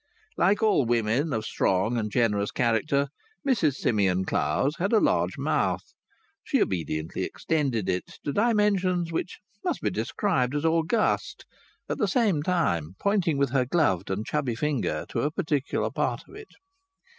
Like all women of strong and generous character, Mrs Simeon Clowes had a large mouth. She obediently extended it to dimensions which must be described as august, at the same time pointing with her gloved and chubby finger to a particular part of it.